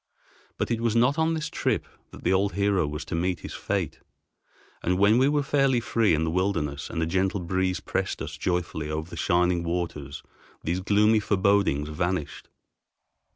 But it was not on this trip that the old hero was to meet his fate, and when we were fairly free in the wilderness and a gentle breeze pressed us joyfully over the shining waters these gloomy forebodings vanished.